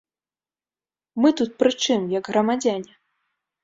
Мы тут прычым, як грамадзяне?